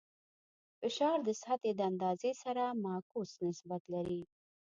فشار د سطحې د اندازې سره معکوس نسبت لري.